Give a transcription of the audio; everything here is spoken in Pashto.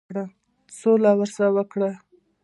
سوله سره وکړه.